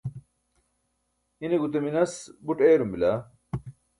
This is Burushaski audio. ine gute minas buṭ eyarum bila